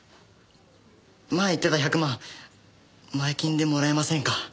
前言ってた１００万前金でもらえませんか？